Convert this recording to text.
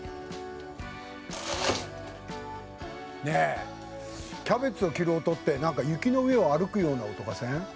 「ねえキャベツを切る音ってなんか雪の上を歩くような音がせん？